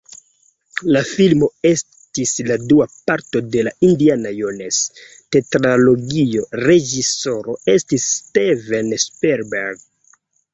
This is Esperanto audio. La filmo estis la dua parto de la Indiana-Jones-tetralogio, reĝisoro estis Steven Spielberg.